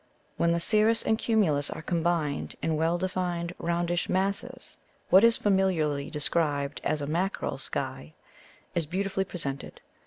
When the cirrus and cumulus are combined, in well defined roundish masses, what is familiarly described as a "mackerel sky" is beautifully presented.